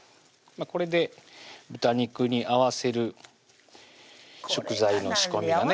これで豚肉に合わせる食材の仕込みはね